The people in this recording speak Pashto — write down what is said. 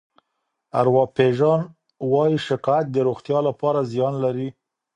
ارواپيژان وايي شکایت د روغتیا لپاره زیان لري.